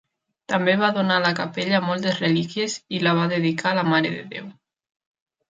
També va donar a la capella moltes relíquies i la va dedicar a la Mare de Déu.